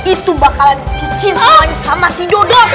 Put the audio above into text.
itu bakalan dicicin sama si dodot